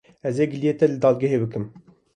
Ez ê giliyê te li dadgehê bikim.